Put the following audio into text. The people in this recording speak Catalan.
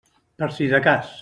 Per si de cas.